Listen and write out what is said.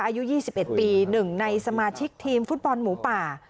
อายุ๒๑ปี๑ในสมาชิกทีมฟุตบอลหมูป่า